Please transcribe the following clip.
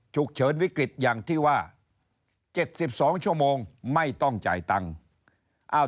ฉุกเฉินวิกฤตอย่างที่ว่า๗๒ชั่วโมงไม่ต้องจ่ายตังค์